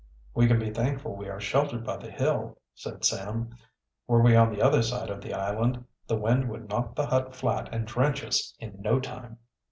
"We can be thankful we are sheltered by the hill," said Sam. "Were we on the other side of the island, the wind would knock the hut flat and drench us in no time."